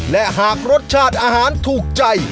และหากรสชาติอาหารถูกใจ